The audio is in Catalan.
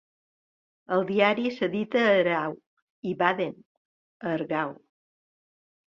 El diari s'edita a Aarau i Baden, Aargau.